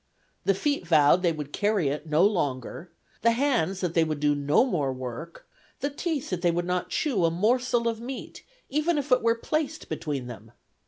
The feet vowed they would carry it no longer; the hands that they would do no more work; the teeth that they would not chew a morsel of meat, even were it placed between them.